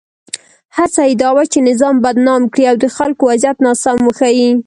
هڅه یې دا وه چې نظام بدنام کړي او د خلکو وضعیت ناسم وښيي.